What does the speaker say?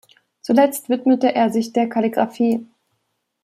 Zuletzt widmete er sich der Kalligraphie.